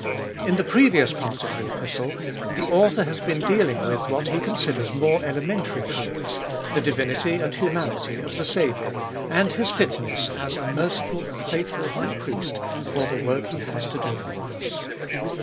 In the previous part of the Epistle, the author has been dealing with what he con 1 Beginning. 196 cbe Ibolfest of ail siders more elementary truths, the divinity and humanity of the Saviour, and His fitness as a merciful and faithful High Priest for the work He has to do for us.